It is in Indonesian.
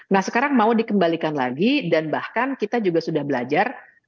nah sekarang mau dikembalikan lagi dan bahkan kita juga sudah belajar